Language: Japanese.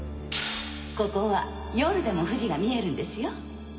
ここは夜でも富士が見えるんですよ